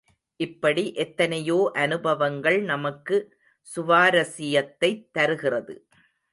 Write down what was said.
இப்படி எத்தனையோ அனுபவங்கள் நமக்கு சுவாரசியத்தைத் தருகிறது.